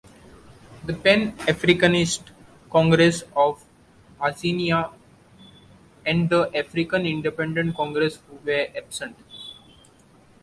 The Pan Africanist Congress of Azania and the African Independent Congress were absent.